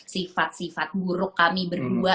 sifat sifat buruk kami berdua